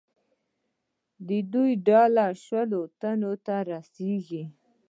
د دوی ډله شلو تنو ته رسېږي.